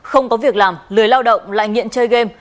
không có việc làm lười lao động lại nghiện chơi game